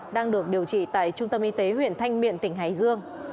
đang được điều trị tại trung tâm y tế huyện thanh miện tỉnh hải dương